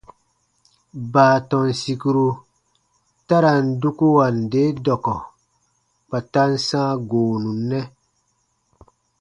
Baatɔn sìkuru ta ra n dukuwa nde dɔkɔ kpa ta n sãa goonu nɛ.